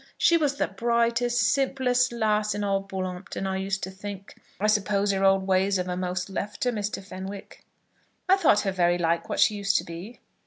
She was the brightest, simplest lass in all Bull'ompton, I used to think. I suppose her old ways have a'most left her, Mr. Fenwick?" "I thought her very like what she used to be."